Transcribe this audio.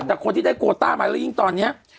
แต่คนที่ได้โคต้ามาแล้วยิ่งตอนนี้